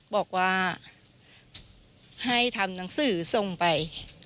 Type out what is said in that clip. บอกว่าให้ทำหนังสือส่งไป